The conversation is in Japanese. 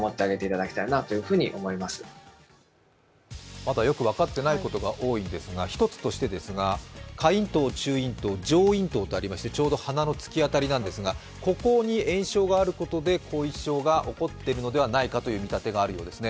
まだよく分かっていないことが多いんですが一つとして、下咽頭、中咽頭、上咽頭とありまして、ちょうど鼻の突き当たりなんですが、ここに炎症があることで後遺症が起こっているのではないかという見立てがあるようですね。